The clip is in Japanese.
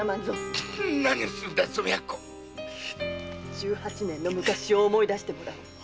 十八年前の昔を思い出してもらおう！